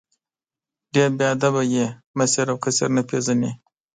ډېر بې ادب یې ، مشر او کشر نه پېژنې!